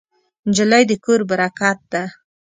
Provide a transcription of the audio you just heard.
نجلۍ د کور برکت ده.